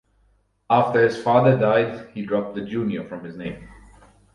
After his father died, he dropped the "Junior" from his name.